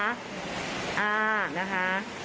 อ่านะคะ